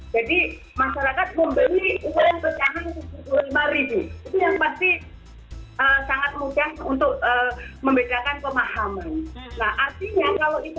jadi masyarakat membeli uang pecahan rp tujuh puluh lima itu yang pasti sangat mudah untuk membezakan pemahaman